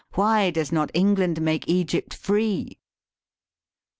Why does not England make Egypt free